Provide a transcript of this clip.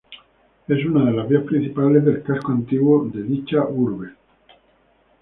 Es una de las vías principales del casco antiguo de dicha urbe.